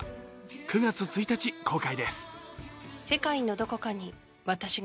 ９月１日公開です。